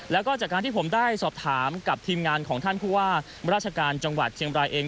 แล้วก็จากการที่ผมได้สอบถามกับทีมงานของท่านผู้ว่าราชการจังหวัดเชียงบรายเอง